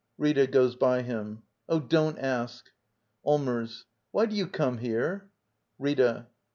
Rita. [Goes by him.] Oh, don't asL Allmers. Why do you come here? Rita.